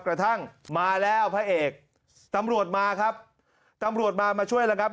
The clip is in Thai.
กระทั่งมาแล้วพระเอกตำรวจมาครับตำรวจมามาช่วยแล้วครับ